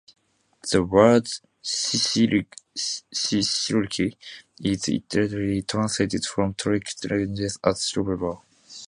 The word "shishlik" is literally translated from Turkic languages as "skewerable".